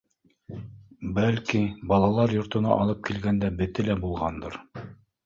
Бәлки, балалар йортона алып килгәндә бете лә булғандыр.